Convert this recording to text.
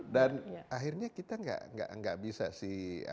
dan akhirnya kita gak bisa sih